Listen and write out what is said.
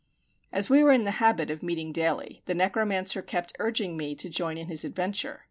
As we were in the habit of meeting daily, the necromancer kept urging me to join in his adventure.